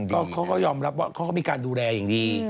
ก็เขาก็ยอมรับว่าเขาก็มีการดูแลอย่างดี